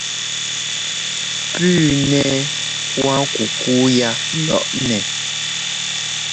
Puu nɛ́ kuákukú yá lɔʼnɛ.